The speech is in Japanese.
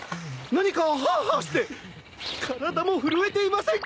何かハァハァして体も震えていませんか！？